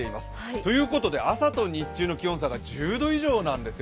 ということで朝と日中の気温差が１０度以上なんですよ。